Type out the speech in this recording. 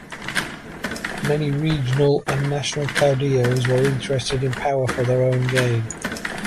Many regional and national caudillos were interested in power for their own gain.